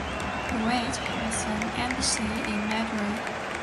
Kuwait has an embassy in Madrid.